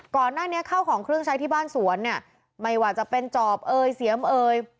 ก่อนหน้านี้เข้าของเครื่องใช้ที่บ้านสวนเนี่ยไม่ว่าจะเป็นจอบเอยเสียมเอย